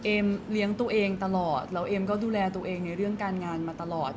เลี้ยงตัวเองตลอดแล้วเอมก็ดูแลตัวเองในเรื่องการงานมาตลอด